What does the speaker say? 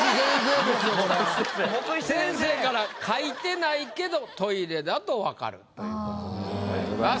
先生から「書いてないけどトイレだと分かる」ということでございます。